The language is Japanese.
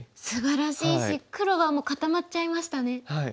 すばらしいし黒はもう固まっちゃいましたね。